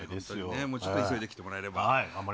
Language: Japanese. もうちょっと急いで来てもらえれば。